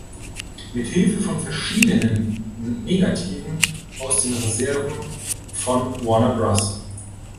Mithilfe von verschiedenen Negativen aus den Reserven von Warner Bros.